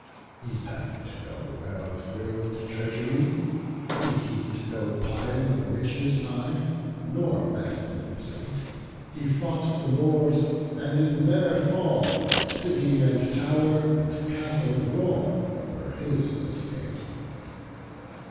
He left no well filled treasury, He heaped no pile of riches high, Nor massive plate; He fought the Moors, and, in their fall, City and tower and castled wallWere his estate.